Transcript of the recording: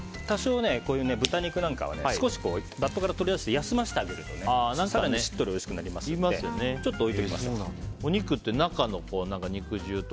豚肉なんかを少しバットから取り出して休ませてあげると、更にしっとりおいしくなりますのでお肉って中の肉汁とか。